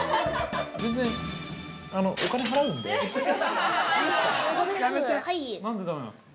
全然お金払うんで、いいですか。